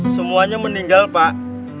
semuanya meninggal pak